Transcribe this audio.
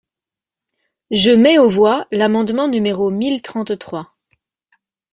Je mets aux voix l’amendement numéro mille trente-trois.